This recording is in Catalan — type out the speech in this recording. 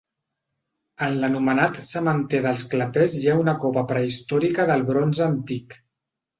En l'anomenat sementer dels Clapers hi ha una cova prehistòrica del bronze antic.